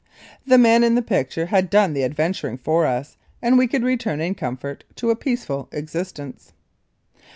The man in the picture had done the adventuring for us and we could return in comfort to a peaceful existence.